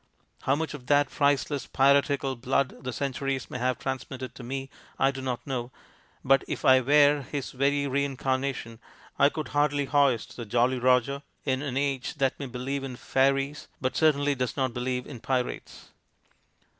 How much of that priceless piratical blood the centuries may have transmitted to me I do not know, but if I were his very rein carnation I could hardly hoist the Jolly Roger in an age that may believe in fairies, but certainly does not believe in pirates.